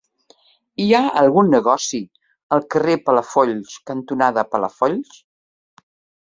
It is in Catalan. Hi ha algun negoci al carrer Palafolls cantonada Palafolls?